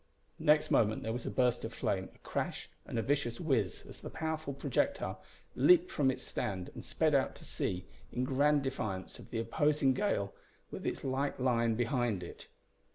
Next moment there was a burst of flame, a crash, and a vicious whizz as the powerful projectile leaped from its stand and sped out to sea, in grand defiance of the opposing gale, with its light line behind it.